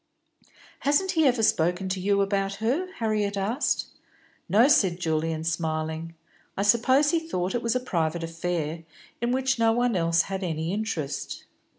"Hasn't he ever spoken to you about her?" Harriet asked. "No," said Julian, smiling. "I suppose he thought it was a private affair, in which no one else had any interest."